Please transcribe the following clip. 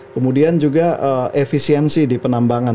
kemudian juga efisiensi di penambangan